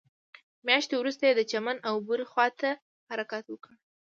مياشت وروسته يې د چمن او بوري خواته حرکت وکړ.